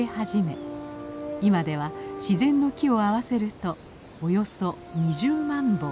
今では自然の木を合わせるとおよそ２０万本。